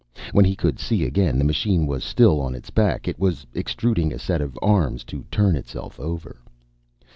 When he could see again, the machine was still on its back. It was extruding a set of arms to turn itself over.